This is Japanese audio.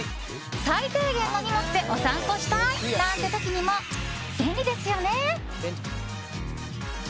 最低限の荷物でお散歩したいなんて時にも、便利ですよね。